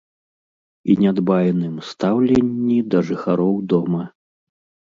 І нядбайным стаўленні да жыхароў дома.